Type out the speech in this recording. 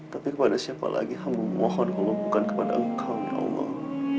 tapi kepada siapa lagi hamba mohon kau lupukan kepada engkau ya allah